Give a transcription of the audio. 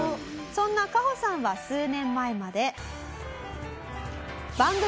「そんなカホさんは数年前まで」